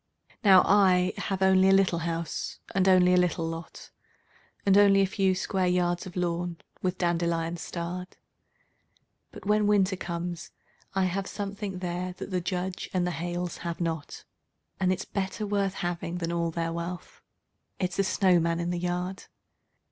Now I have only a little house, and only a little lot, And only a few square yards of lawn, with dandelions starred; But when Winter comes, I have something there that the Judge and the Hales have not, And it's better worth having than all their wealth it's a snowman in the yard.